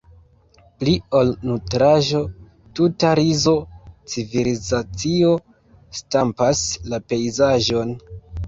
Pli ol nutraĵo, tuta rizo-civilizacio stampas la pejzaĝon.